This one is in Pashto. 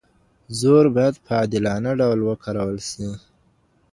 زور بايد په عادلانه ډول وکارول سي.